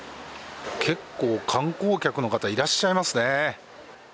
結構、観光客の方いらっしゃいますね。